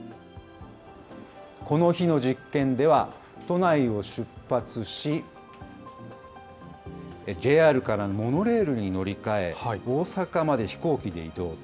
この日の実験では、都内を出発し、ＪＲからモノレールに乗り換え、大阪まで飛行機で移動。